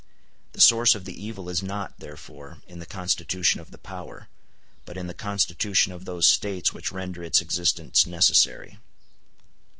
The source of the evil is not, therefore, in the constitution of the power, but in the constitution of those States which render its existence necessary.